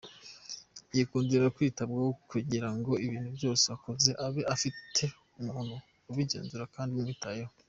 Yikundira kwitabwaho kugira ngo ibintu byose akoze abe afite umuntu ubigenzura kandi umwitayeho.